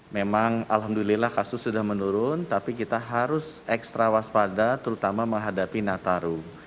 memang alhamdulillah kasus sudah menurun tapi kita harus ekstra waspada terutama menghadapi nataru